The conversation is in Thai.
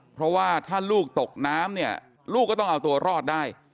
เพราะว่าถ้าลูกตกน้ำเนี่ยลูกก็ต้องเอาตัวรอดได้